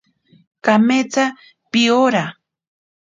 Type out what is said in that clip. Kametsa piworo.